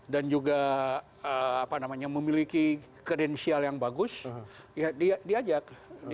dan juga memiliki kredensial yang bagus diajak